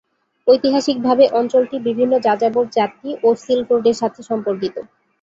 ঐতিহাসিকভাবে অঞ্চলটি বিভিন্ন যাযাবর জাতি ও সিল্ক রোডের সাথে সম্পর্কিত।